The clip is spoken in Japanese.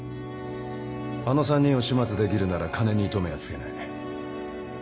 あの３人を始末できるなら金に糸目はつけない。